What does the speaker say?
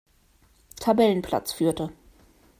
Tabellenplatz führte.